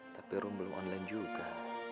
tapi orang belum online juga